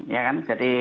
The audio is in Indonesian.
ya kan jadi